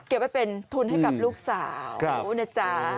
เก็บไว้เป็นทุนให้กับลูกสาวโอ้โฮนะจ๊ะ